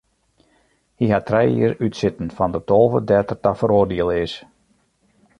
Hy hat trije jier útsitten fan de tolve dêr't er ta feroardiele is.